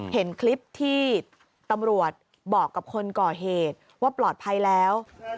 เห็นคลิปที่ตำรวจบอกกับคนก่อเหตุว่าปลอดภัยแล้ว